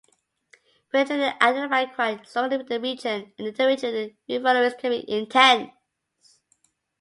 People generally identify quite strongly with their region, and inter-region rivalries can be intense.